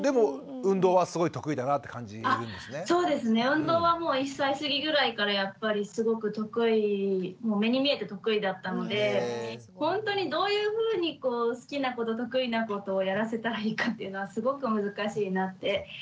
運動は１歳過ぎぐらいからやっぱりすごく得意目に見えて得意だったのでほんとにどういうふうにこう好きなこと得意なことをやらせたらいいかっていうのはすごく難しいなって思いますね。